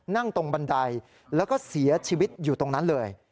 นั่งตรงบันไดแล้วก็เสียชีวิตอยู่ตรงนั้นเลย